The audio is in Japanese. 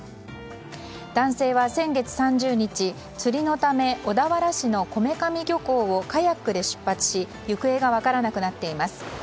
男性は、先月３０日釣りのため小田原市の米神漁港をカヤックで出発し行方が分からなくなっています。